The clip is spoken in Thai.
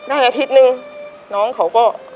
อาทิตย์นึงน้องเขาก็